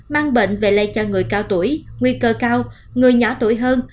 mang bệnh về lây cho người cao tuổi nguy cơ cao người nhỏ tuổi hơn